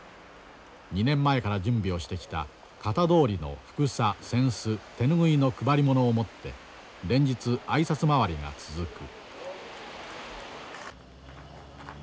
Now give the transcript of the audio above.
２年前から準備をしてきた型どおりのふくさ扇子手拭いの配り物を持って連日挨拶回りが続く。